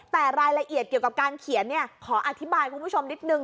แต่รายละเอียดเกี่ยวกับการเขียนขออธิบายคุณผู้ชมนิดนึง